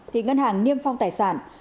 thì ngân hàng niêm phong tài sản